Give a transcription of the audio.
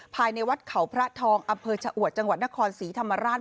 ภายในวัดเขาพระทองอำเภอชะอวดจังหวัดนครศรีธรรมราช